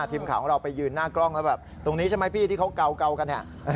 ทีมข่าวของเราไปยืนหน้ากล้องแล้วแบบตรงนี้ใช่ไหมพี่ที่เขาเกากันเนี่ย